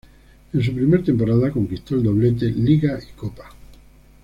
En su primera temporada conquistó el doblete: liga y copa.